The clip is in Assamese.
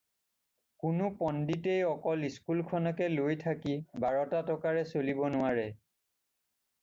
কোনো পণ্ডিতেই অকল স্কুলখনকে লৈ থাকি বাৰটা টকাৰে চলিব নোৱাৰে।